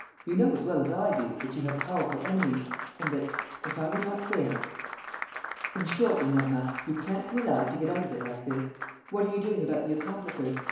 You know as well as I do that you have powerful enemies ... and that, if I were not there ... In short, Lenormand, you can't be allowed to get out of it like this. What are you doing about the accomplices?